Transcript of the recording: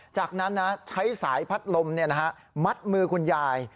จากนั้นใช้สายพัดลมมัดมือคุณยาย